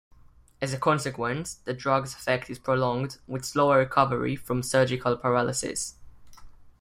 As a consequence, the drug's effect is prolonged, with slower recovery from surgical paralysis.